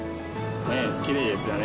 ねっきれいですよね